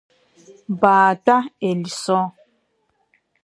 Баатәа, Елисо.